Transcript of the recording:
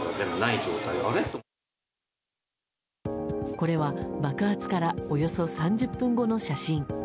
これは爆発からおよそ３０分後の写真。